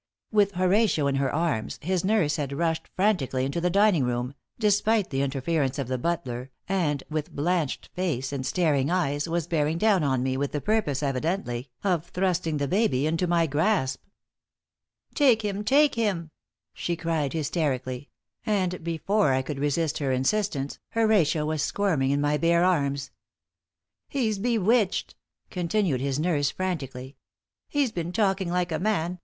With Horatio in her arms, his nurse had rushed frantically into the dining room, despite the interference of the butler, and, with blanched face and staring eyes, was bearing down on me, with the purpose, evidently, of thrusting the baby into my grasp. [Illustration: "He's bewitched, ... He's been talking like a man."] "Take him! take him!" she cried, hysterically, and before I could resist her insistence, Horatio was squirming in my bare arms. "He's bewitched," continued his nurse, frantically. "He's been talking like a man.